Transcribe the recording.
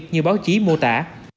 như báo chí mô tả